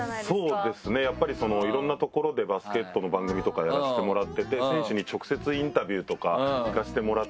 そうですねやっぱりいろんな所でバスケットの番組とかやらせてもらってて選手に直接インタビューとか行かせてもらって。